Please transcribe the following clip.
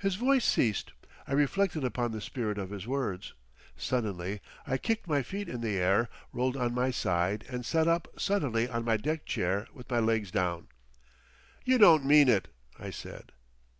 His voice ceased. I reflected upon the spirit of his words. Suddenly I kicked my feet in the air, rolled on my side and sat up suddenly on my deck chair with my legs down. "You don't mean it!" I said.